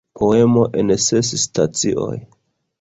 Poemo en ses stacioj.